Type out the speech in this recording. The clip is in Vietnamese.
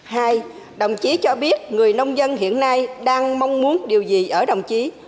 hai đồng chí cho biết người nông dân hiện nay đang mong muốn điều gì ở đồng chí